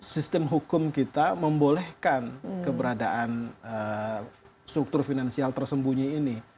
sistem hukum kita membolehkan keberadaan struktur finansial tersembunyi ini